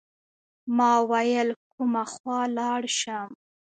ما ویل کومه خوا لاړ شم.